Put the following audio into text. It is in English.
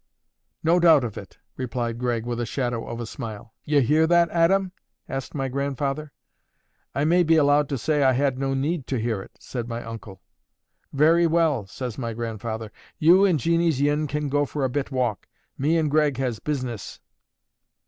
"No doubt of it," replied Gregg, with a shadow of a smile. "Ye hear that, Aadam?" asked my grandfather. "I may be allowed to say I had no need to hear it," said my uncle. "Very well," says my grandfather. "You and Jeannie's yin can go for a bit walk. Me and Gregg has business."